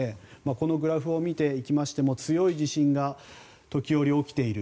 このグラフを見ていきましても強い地震が時折起きている。